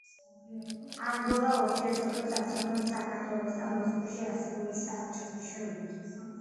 ანგოლა ურთიერთობებს აწარმოებს საქართველოსთან მოსკოვში არსებული საელჩოს მეშვეობით.